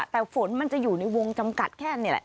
แต่ฝนมันจะอยู่ในวงจำกัดแค่นี้แหละ